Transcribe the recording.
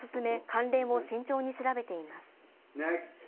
関連を慎重に調べています